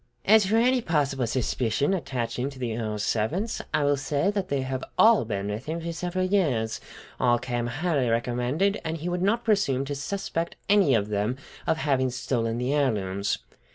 "As for any possible suspicion attaching to the Earl's servants, I will say that they have all been with him for several years, all came highly recommended, and he would not presume to suspect any of them of having stolen the heirlooms."